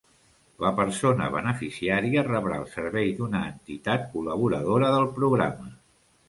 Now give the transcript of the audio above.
La persona beneficiària rebrà el servei d'una entitat col·laboradora del Programa.